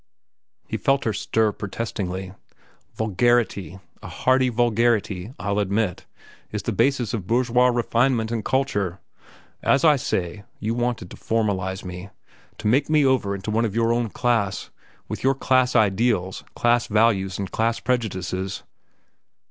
He felt her stir protestingly. "Vulgarity—a hearty vulgarity, I'll admit—is the basis of bourgeois refinement and culture. As I say, you wanted to formalize me, to make me over into one of your own class, with your class ideals, class values, and class prejudices."